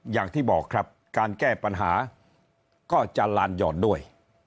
อย่างที่บอกครับการแก้ปัญหาก็จะลานหย่อนด้วย